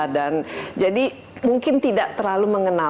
jadi mungkin tidak terlalu mengenal